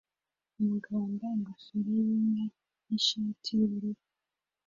Umugabo wambaye ingofero yinka nishati yubururu